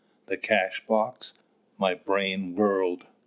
"The cashbox?" My brain whirled.